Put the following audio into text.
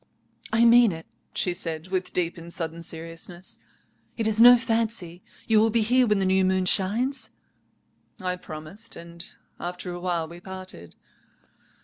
"'I mean it,' she said, with deep and sudden seriousness, 'it is no fancy. You will be here when the new moon shines?'" "I promised, and after a while we parted.